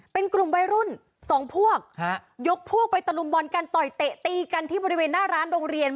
เป็นกลุ่มวัยรุ่นสองพวกยกพวกไปตะลุมบอลกันต่อยเตะตีกันที่บริเวณหน้าร้านโรงเรียน